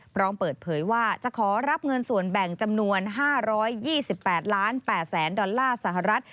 พร้อมเปิดเผยว่าจะขอรับเงินส่วนแบ่งจำนวน๕๒๘๘๐๐๐ดอลลาร์สหรัฐ